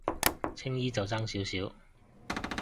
青衣就爭少少